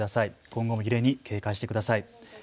今後も揺れに警戒してください。